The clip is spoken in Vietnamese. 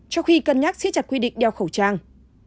trong khi cân nhắc siết chặt quy định đeo khẩu trang